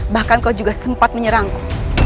bahkan kau juga sempat menyerangku